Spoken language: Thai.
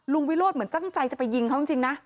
วิโรธเหมือนตั้งใจจะไปยิงเขาจริงนะ